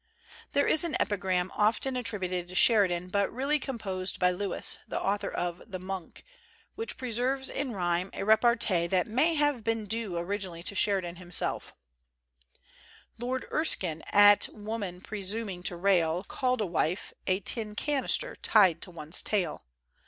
There is an epigram often attributed to Sheri dan, but really composed by Lewis, the author of the 'Monk,' which preserves in rime a rep artee that may have been due originally to Sheridan himself: Lord Erskine, at woman presuming to rail, Called a wife, "a tin canister tied to one's tail."